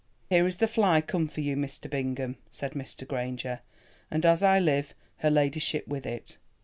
"Here is the fly come for you, Mr. Bingham," said Mr. Granger—"and as I live, her ladyship with it.